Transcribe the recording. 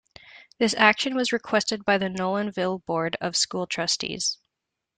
This action was requested by the Nolanville Board of School Trustees.